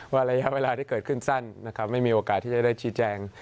ระยะเวลาที่เกิดขึ้นสั้นนะครับไม่มีโอกาสที่จะได้ชี้แจง